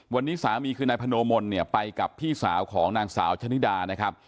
วันนี้สามีคือนายพโนมลเนี่ยไปกับพี่สาวของนางสาวชะนิดานะครับ